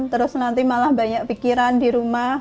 terus nanti malah banyak pikiran di rumah